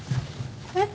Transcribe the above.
えっ？